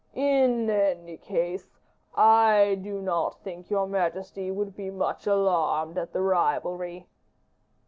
"In any case, I do not think your majesty would be much alarmed at the rivalry."